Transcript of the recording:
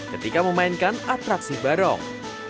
ketika memainkan atraksi barong